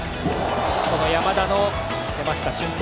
山田の山下舜平